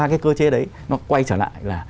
cái cơ chế đấy nó quay trở lại là